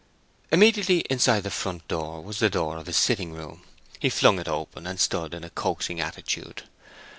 Immediately inside the front door was the door of his sitting room; he flung it open, and stood in a coaxing attitude.